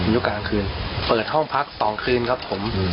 ยุคกลางคืนเปิดห้องพัก๒คืนครับผม